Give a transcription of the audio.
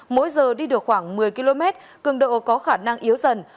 mỗi giờ đi được khoảng một mươi km cường độ có khả năng yếu dần